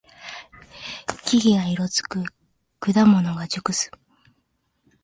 木々が色づく。果物が熟す。